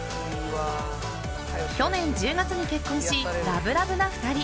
去年１０月に結婚しラブラブな２人。